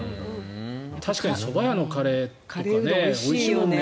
確かに、そば屋のカレーおいしいもんね。